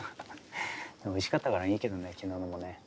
でもおいしかったからいいけどね昨日のもね。